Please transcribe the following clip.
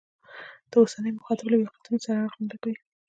د اوسني مخاطب له واقعیتونو سره اړخ نه لګوي.